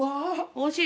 おいしい？